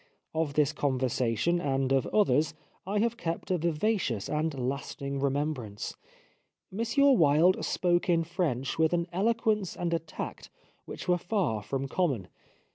Of this conversation and of others I have kept a vivacious and lasting remembrance. M. Wilde spoke in French with an eloquence and a tact which were far from common.